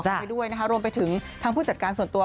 ไปด้วยนะคะรวมไปถึงทางผู้จัดการส่วนตัว